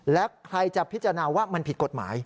และใครจะพิจารณาว่ามันผิดกฎหมาย